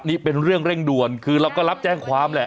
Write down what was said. นี่เป็นเรื่องเร่งด่วนคือเราก็รับแจ้งความแหละ